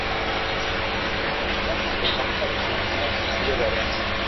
A continuación, la cámara recorre un castillo de arena.